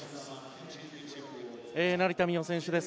成田実生選手です